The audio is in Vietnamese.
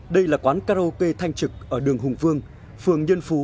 đây là quán karaoke thanh trực ở đường hùng vương phường nhân phú